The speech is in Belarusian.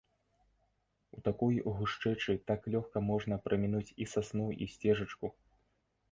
У такой гушчэчы так лёгка можна прамінуць і сасну і сцежачку.